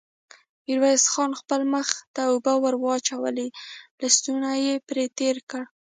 ميرويس خان خپل مخ ته اوبه ور واچولې، لستوڼۍ يې پرې تېر کړ.